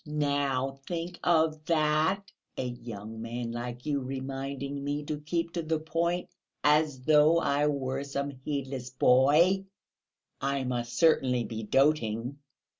"Now think of that! A young man like you reminding me to keep to the point, as though I were some heedless boy! I must certainly be doting!...